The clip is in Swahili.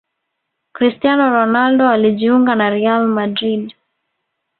Cristiano Ronaldo alijuinga na Real Madrid